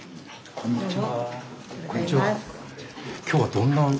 こんにちは。